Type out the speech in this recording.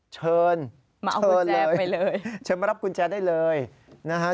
เชิญเลยเชิญมารับกุญแจได้เลยมาเอากุญแจไปเลย